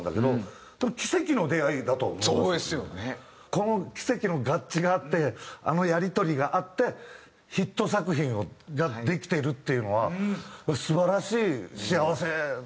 この奇跡の合致があってあのやり取りがあってヒット作品ができてるっていうのは素晴らしい幸せなお二人だなと。